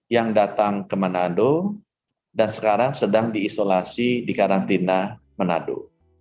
yang datang ke manado dan sekarang sedang diisolasi di karantina manado